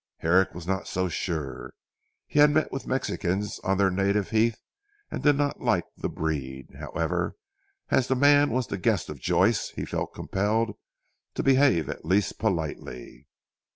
Herrick was not so sure. He had met with Mexicans on their native heath and did not like the breed. However as the man was the guest of Joyce, he felt compelled to behave at least politely.